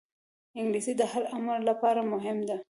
انګلیسي د هر عمر لپاره مهمه ده